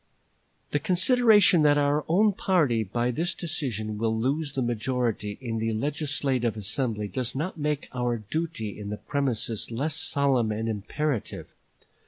"The consideration that our own party by this decision will lose the majority in the legislative assembly does not make our duty in the premises less solemn and imperative.